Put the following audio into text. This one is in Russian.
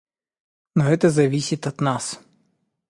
Но это зависит от нас.